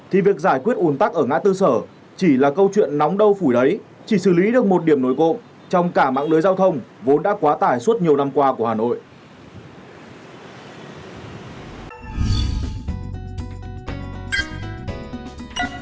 thì việc giải quyết ủn tắc ở ngã tư sở chỉ là câu chuyện nóng đâu phủ đấy chỉ xử lý được một điểm nổi cộng trong cả mạng lưới giao thông vốn đã quá tải suốt nhiều năm qua của hà nội